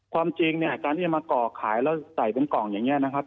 ขายแล้วใส่เป็นกล่องอย่างนี้นะครับ